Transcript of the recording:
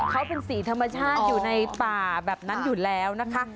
เขาเป็นสีธรรมชาติอยู่ในป่าแบบนั้นอยู่แล้วนะคะ